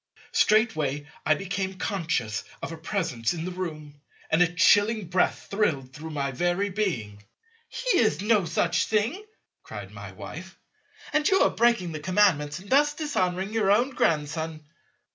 Straightway I became conscious of a Presence in the room, and a chilling breath thrilled through my very being. "He is no such thing," cried my Wife, "and you are breaking the Commandments in thus dishonouring your own Grandson."